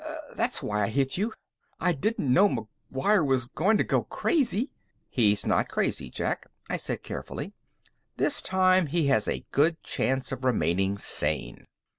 That's why I hit you. I didn't know McGuire was going to go crazy." "He's not crazy, Jack," I said carefully. "This time, he has a good chance of remaining sane."